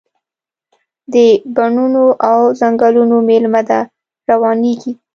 د بڼوڼو او ځنګلونو میلمنه ده، روانیږي